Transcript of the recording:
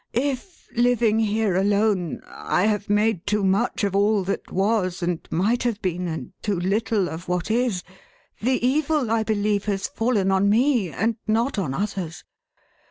If, living here alone, I have made too much of all that was and might have been, and too little of what is, the evil, I believe, has fallen on me, and not on others.